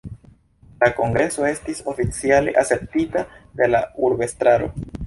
La kongreso estis oficiale akceptita de la urbestraro.